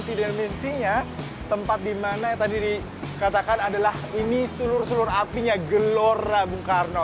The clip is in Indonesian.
kalau di atas ini dimensi dimensinya tempat di mana tadi dikatakan adalah ini seluruh seluruh apinya gelora bung karno